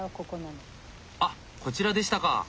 あっこちらでしたか。